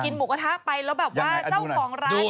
กินหมูกระทะไปแล้วแบบว่าเจ้าของร้านเนี่ยดู